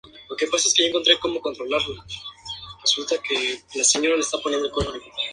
Come crustáceos planctónicos.